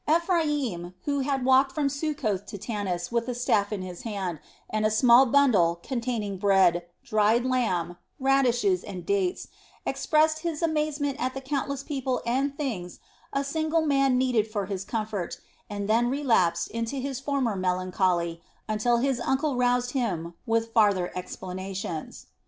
Ephraim, who had walked from Succoth to Tanis with a staff in his hand, and a small bundle containing bread, dried lamb, radishes, and dates, expressed his amazement at the countless people and things a single man needed for his comfort, and then relapsed into his former melancholy until his uncle roused him with farther explanations.